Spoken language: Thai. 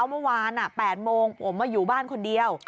เมื่อวาน๘โมงผมมาอยู่บ้านคนเดียว